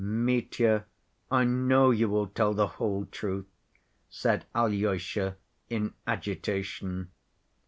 "Mitya, I know you will tell the whole truth," said Alyosha in agitation.